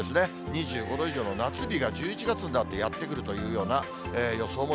２５度以上の夏日が１１月になってやって来るというような予想も